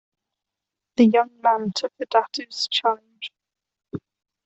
The young man took the Datu's challenge.